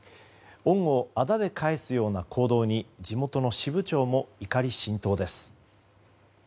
恩を仇で返すような行動に地元の支部長も怒り心頭です。